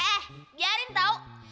eh biarin tau